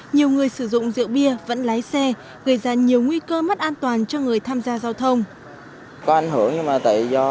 nhiều người sử dụng rượu bia vẫn lái xe gây ra nhiều nguy cơ mất an toàn cho người tham gia giao thông